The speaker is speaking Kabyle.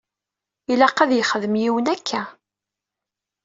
Ilaq ad yexdem yiwen kra.